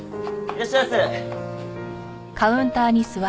いらっしゃいませ。